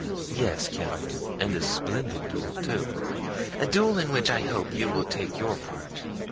"Yes, count, and a splendid duel, too; a duel in which I hope you will take your part."